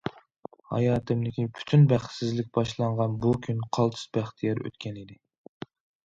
ھاياتىمدىكى پۈتۈن بەختسىزلىك باشلانغان بۇ كۈن قالتىس بەختىيار ئۆتكەن ئىدى.